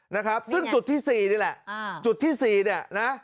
นะครับซึ่งจุดที่สี่นี่แหละจุดที่สี่เนี่ยนะ